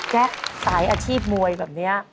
สายอาชีพมวยแบบนี้